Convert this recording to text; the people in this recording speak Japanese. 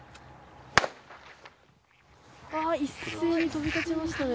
一斉に飛び立ちましたね。